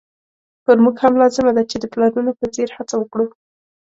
پر موږ هم لازمه ده چې د پلرونو په څېر هڅه وکړو.